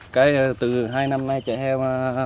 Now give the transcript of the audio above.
cái từ hai năm nay trại heo